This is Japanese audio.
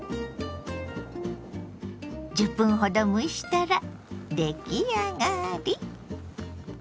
１０分ほど蒸したら出来上がり！